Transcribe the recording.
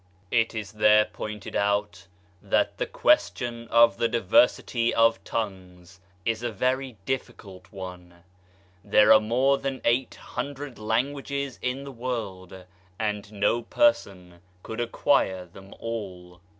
It is there pointed out that the question of diversity of tongues is a very difficult one. There are more than eight hundred languages in the world, and no person could acquire them all.